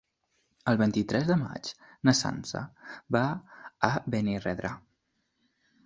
El vint-i-tres de maig na Sança va a Benirredrà.